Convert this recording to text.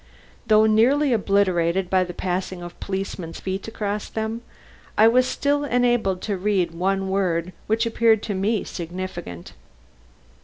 Though nearly obliterated by the passing of the policeman's feet across them, I was still enabled to read the one word which appeared to me significant.